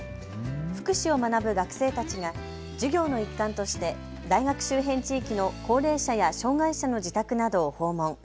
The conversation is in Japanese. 福祉を学ぶ学生たちが授業の一環として大学周辺地域の高齢者や障害者の自宅などを訪問。